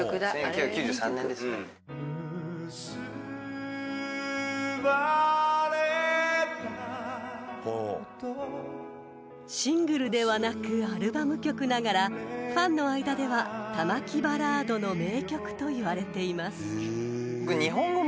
「結ばれたこと」［シングルではなくアルバム曲ながらファンの間では玉置バラードの名曲といわれています］